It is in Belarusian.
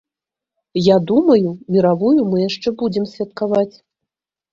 Я думаю, міравую мы яшчэ будзем святкаваць.